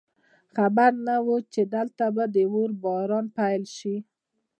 خبر نه وو چې دلته به د اور باران پیل شي